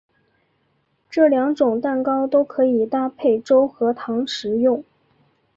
这两种蛋糕都可以搭配粥和糖食用。